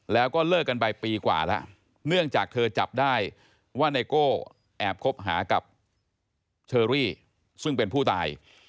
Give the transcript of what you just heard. แล้วก็เลิกกันไปปีกว่าแล้วเนื่องจากเธอจับได้ว่าไนโก้แอบคบหากับเชอรี่ซึ่งเป็นผู้ตาย